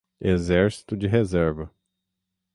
exército de reserva